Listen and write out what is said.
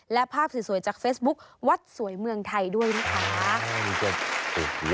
และภาพสวยจากเฟซบุ๊ควัดสวยเมืองไทยด้วยนะคะ